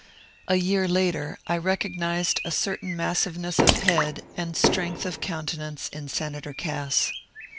A year later I recognized a certain massive ness of head and strength of countenance in Senator Cass.